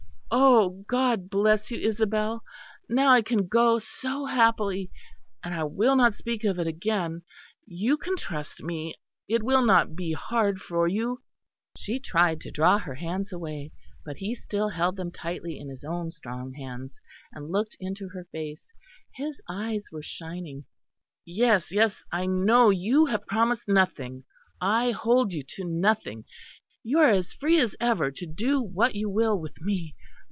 "Oh! God bless you, Isabel! Now I can go so happily. And I will not speak of it again; you can trust me; it will not be hard for you." She tried to draw her hands away, but he still held them tightly in his own strong hands, and looked into her face. His eyes were shining. "Yes, yes, I know you have promised nothing. I hold you to nothing. You are as free as ever to do what you will with me.